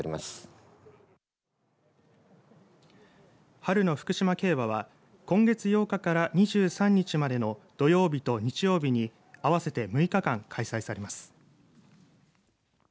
春の福島競馬は今月８日から２３日までの土曜日と日曜日に合わせて６日間開催されます。